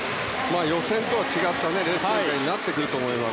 予選とは違ったレース展開になると思います。